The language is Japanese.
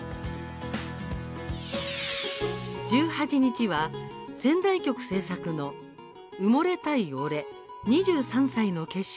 １８日は、仙台局制作の「埋もれたい“俺”２３歳の景色」。